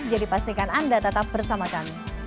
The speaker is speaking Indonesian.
jadi pastikan anda tetap bersama kami